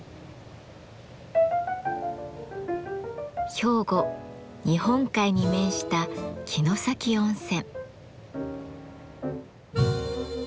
兵庫日本海に面した城崎温泉。